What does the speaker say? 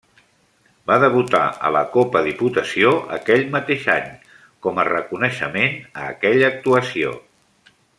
Va debutar a la Copa Diputació aquell mateix any, com a reconeixement a aquella actuació.